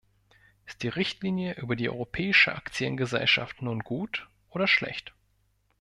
Ist die Richtlinie über die Europäische Aktiengesellschaft nun gut oder schlecht?